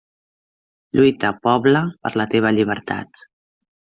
Lluita, poble, per la teva llibertat!